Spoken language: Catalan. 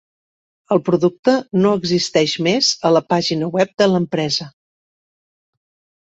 El producte no existeix més a la pàgina web de l'empresa.